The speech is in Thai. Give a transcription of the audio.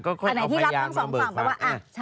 อ๋อก็ค่อยเอาพยานมาเบิกฟัง